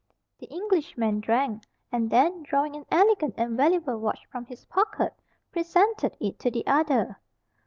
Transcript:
The Englishman drank, and then drawing an elegant and valuable watch from his pocket, presented it to the other.